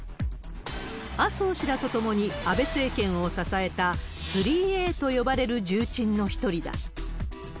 麻生氏らと共に、安倍政権を支えた３Ａと呼ばれる重鎮の一人だ。